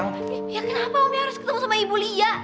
kenapa harus ketemu sama ibu liya